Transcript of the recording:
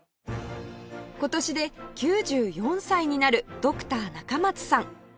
今年で９４歳になるドクター・中松さん